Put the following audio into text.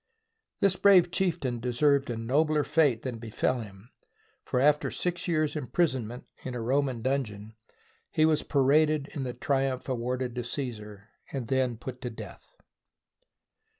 This brave chieftain deserved a nobler fate than befell him, for, after six years' imprisonment in a Roman dungeon, he was paraded in the triumph awarded to Caesar, and then put to death.